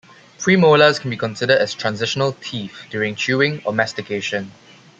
Premolars can be considered as 'transitional teeth' during chewing, or mastication.